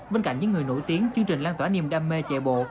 bên cạnh những người nổi tiếng chương trình lan tỏa niềm đam mê chạy bộ